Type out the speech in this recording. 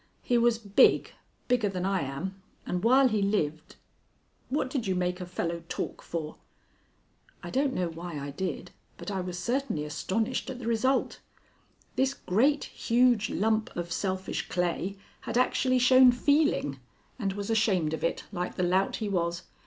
He was big bigger than I am, and while he lived What did you make a fellow talk for?" I don't know why I did, but I was certainly astonished at the result. This great, huge lump of selfish clay had actually shown feeling and was ashamed of it, like the lout he was.